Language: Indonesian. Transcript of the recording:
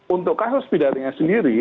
untuk kasus pidannya sendiri